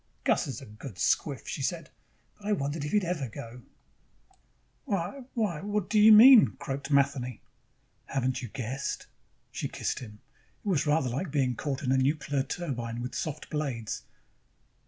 "Gus is a good squiff," she said, "but I wondered if he'd ever go." "Why, why ... what do you mean?" croaked Matheny. "Haven't you guessed?" She kissed him. It was rather like being caught in a nuclear turbine with soft blades.